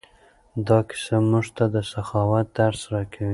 دا کیسه موږ ته د سخاوت درس راکوي.